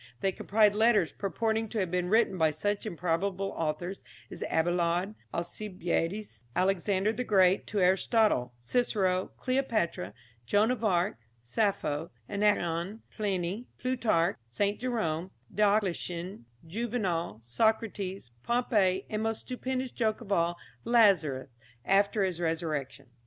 They comprised letters purporting to have been written by such improbable authors as Abelard, Alcibiades, Alexander the Great to Aristotle, Cicero, Cleopatra, Joan of Arc, Sappho, Anacreon, Pliny, Plutarch, St. Jerome, Diocletian, Juvenal, Socrates, Pompey, and most stupendous joke of all Lazarus after his resurrection.